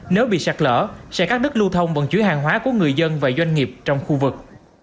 nếu bị sạt lỡ sẽ các đất lưu thông bằng chuỗi hàng hóa của người dân và doanh nghiệp trong khu vực